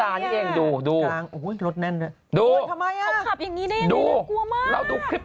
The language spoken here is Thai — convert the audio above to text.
ไม่มีนะครับไม่มีนะครับ